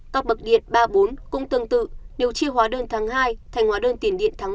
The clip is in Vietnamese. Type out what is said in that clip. các bậc điện ba bốn cũng tương tự đều chia hóa đơn tháng hai thành hóa đơn tiền điện tháng một và hai